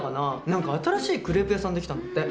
何か新しいクレープ屋さん出来たんだって。